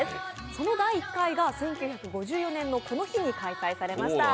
その第１回が１９５４年のこの日に開催されました。